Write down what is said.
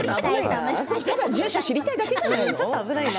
ただ住所を知りたいだけなんじゃないの？